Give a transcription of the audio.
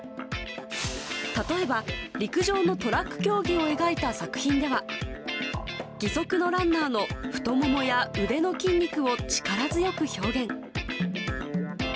例えば、陸上のトラック競技を描いた作品では義足のランナーの太ももや腕の筋肉を力強く表現。